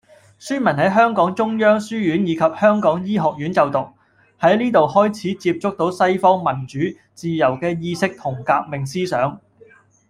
孫文喺香港中央書院以及香港醫學院就讀，喺呢度佢開始接觸到西方民主、自由嘅意識同革命思想